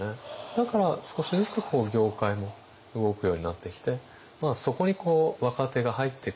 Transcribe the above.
だから少しずつ業界も動くようになってきてそこに若手が入ってくると。